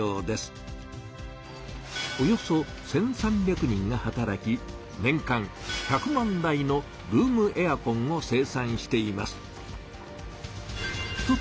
およそ１３００人が働き年間１００万台のルームエアコンを生産しています。